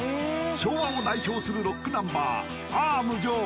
昭和を代表するロックナンバー「あゝ無情」